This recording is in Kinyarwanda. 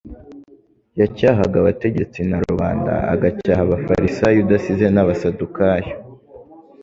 yacyahaga abategetsi na rubanda, agacyaha abafarisayo udasize n'abasadukayo.